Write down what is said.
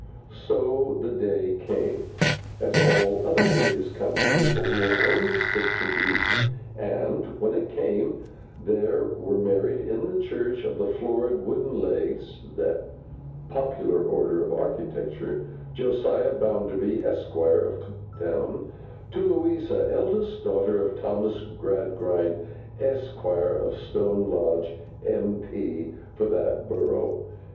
So the day came, as all other days come to people who will only stick to reason; and when it came, there were married in the church of the florid wooden legs—that popular order of architecture—Josiah Bounderby Esquire of Coketown, to Louisa eldest daughter of Thomas Gradgrind Esquire of Stone Lodge, M.P. for that borough.